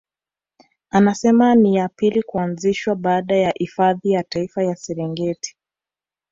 Anasema ni ya pili kuanzishwa baada ya Hifadhi ya Taifa ya Serengeti